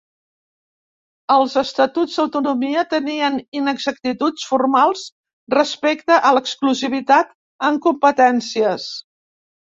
Els estatuts d'autonomia tenien inexactituds formals respecte a l'exclusivitat en competències.